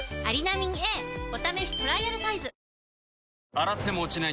洗っても落ちない